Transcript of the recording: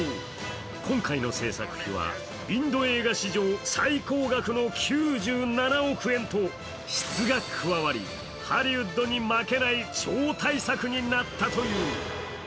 今回の制作費は、インド映画史上最高額の９７億円と質が加わり、ハリウッドに負けない超大作になったという。